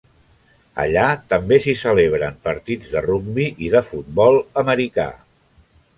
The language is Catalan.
Allà també s'hi celebren partits de rugby i de futbol americà.